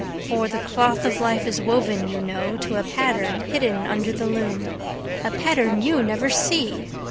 For the cloth of life is woven, you know, To a pattern hidden under the loom— A pattern you never see!